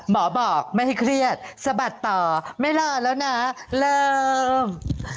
บอกไม่ให้เครียดสะบัดต่อไม่รอแล้วนะเริ่ม